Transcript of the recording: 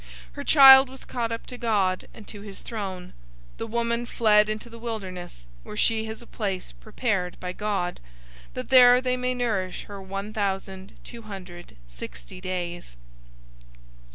Her child was caught up to God, and to his throne. 012:006 The woman fled into the wilderness, where she has a place prepared by God, that there they may nourish her one thousand two hundred sixty days.